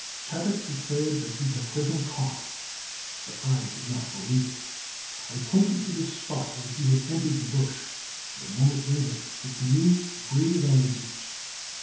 Chabot declared that he had heard him cough, but I did not believe it. I pointed to the spot where he had entered the bush, and a moment later the canoe grated on the beach.